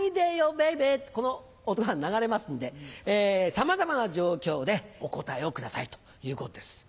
Ｂａｂｙってこの音が流れますんでさまざまな状況でお答えをくださいということです。